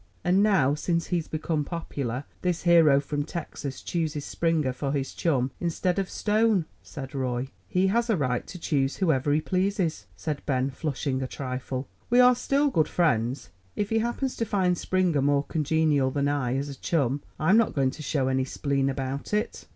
"And now, since he's become popular, this hero from Texas chooses Springer for his chum instead of Stone," said Roy. "He has a right to choose whoever he pleases," said Ben, flushing a trifle. "We are still good friends. If he happens to find Springer more congenial than I, as a chum, I'm not going to show any spleen about it."